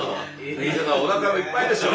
おなかもいっぱいでしょう。